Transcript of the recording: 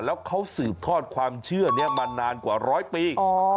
แล้วเขาสืบทอดความเชื่อนี้มานานกว่าร้อยปี